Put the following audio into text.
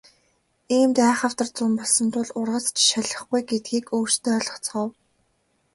Иймд айхавтар зун болсон тул ургац ч шалихгүй гэдгийг өөрсдөө ойлгоцгоо.